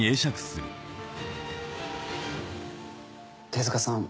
手塚さん